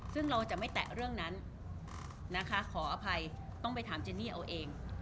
ซึ่งเราจะไม่แตะเรื่องนั้นนะคะขออภัยต้องไปถามเจนี่เอาเอง